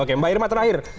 oke mbak irma terakhir